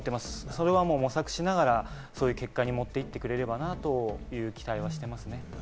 それを模索しながら、そういう結果に持っていってくれればなという期待はしています。